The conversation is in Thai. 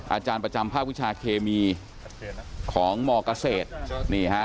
อาจารย์ประจำภาควิชาเคมีของมเกษตรนี่ฮะ